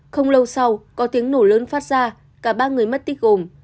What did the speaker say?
không lâu sau có tiếng nổ lớn phát ra cả ba người mất tích gồm